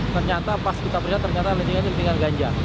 ternyata pas kita periksa ternyata litingan itu litingan ganja